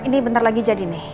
ini bentar lagi jadi nih